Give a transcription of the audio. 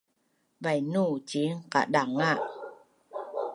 bainu ciin qadanga’